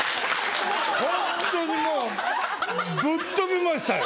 ホントにもうぶっ飛びましたよ‼